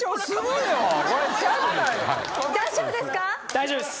大丈夫です。